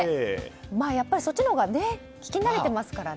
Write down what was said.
やっぱり、そっちのほうが聞き慣れていますからね。